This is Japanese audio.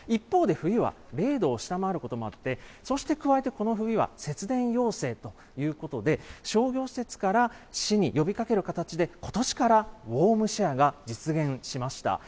一方で、冬は０度を下回ることもあって、そうして加えてこの冬は節電要請ということで、商業施設から市に呼びかける形で、ことしからウォームシェアが実現しました。